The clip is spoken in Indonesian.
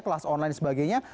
kelas online dan sebagainya